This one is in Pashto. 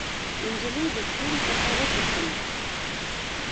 نجلۍ د ستورو څخه وپوښتله